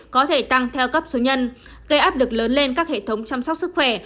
có thể tăng theo cấp số nhân gây áp lực lớn lên các hệ thống chăm sóc sức khỏe